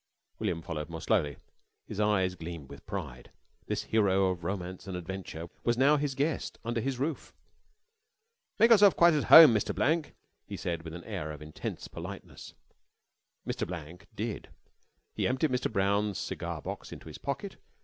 William followed more slowly. His eye gleamed with pride. This hero of romance and adventure was now his guest, under his roof. "Make yourself quite at home, Mr. Blank," he said with an air of intense politeness. Mr. Blank did. He emptied Mr. Brown's cigar box into his pocket.